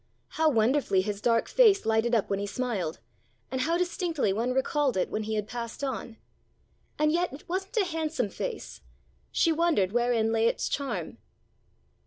How wonderfully his dark face lighted up when he smiled, and how distinctly one recalled it when he had passed on. And yet it wasn't a handsome face. She wondered wherein lay its charm.